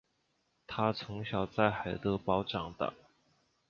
他从小在海德堡长大。